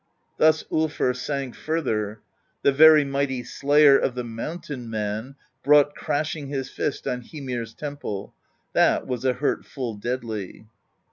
Thus dfr sang further: The very mighty Slayer Of the Mountain Man brought crashing His fist on Hymir's temple: That was a hurt full deadly.